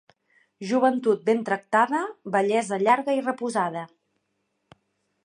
Joventut ben tractada, vellesa llarga i reposada.